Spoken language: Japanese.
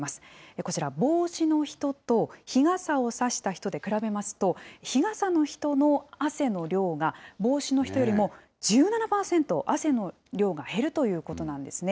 こちら、帽子の人と日傘を差した人で比べますと、日傘の人の汗の量が、帽子の人よりも１７％、汗の量が減るということなんですね。